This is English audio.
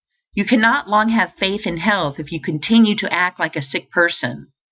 You cannot long have faith in health if you continue to act like a sick person.